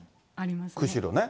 釧路ね。